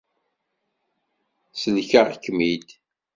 Selkeɣ-kem-id.